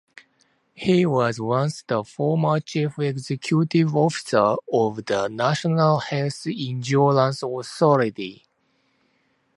He was once the former chief executive officer of the National Health Insurance Authority.